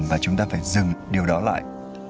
và chúng ta phải dừng điều đó lại